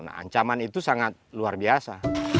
nah ancaman itu sangat luar biasa